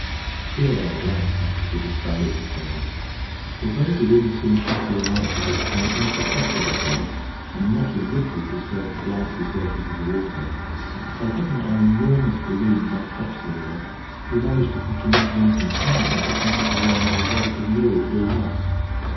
Here our light duck did us valuable service, for though the wind soon fell so light that it became imperceptible to us, and not a ripple disturbed the glassy surface of the water, by getting our enormous balloon gaff topsail aloft we managed to catch enough wind from somewhere to fan us along at the rate of nearly three knots.